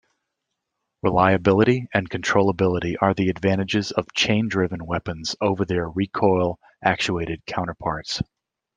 Reliability and controllability are the advantages of chain-driven weapons over their recoil-actuated counterparts.